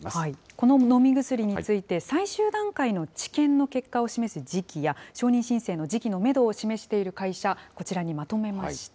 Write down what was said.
この飲み薬について、最終段階の治験の結果を示す時期や、承認申請の時期のメドを示している会社、こちらにまとめました。